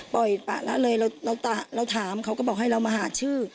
ปล่อยปะละเลยเราถามเขาก็บอกให้เรามาหาชื่อ